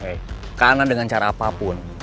hei kena dengan cara apapun